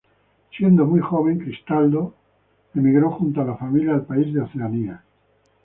Siendo muy joven Cristaldo emigró junto a su familia al país de Oceanía.